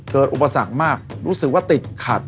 อุปสรรคมากรู้สึกว่าติดขัด